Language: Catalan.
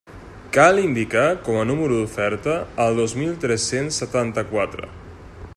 Cal indicar com a número d'oferta el dos mil tres-cents setanta-quatre.